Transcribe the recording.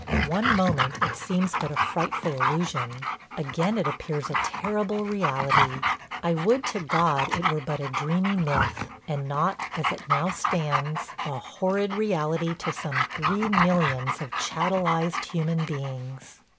One moment it seems but a frightful illusion; again it appears a terrible reality. I would to God it were but a dreamy myth, and not, as it now stands, a horrid reality to some three millions of chattelized human beings.